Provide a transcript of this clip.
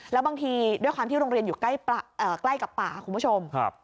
แล้วบางทีด้วยความที่โรงเรียนอยู่ใกล้กับป่าคุณผู้ชม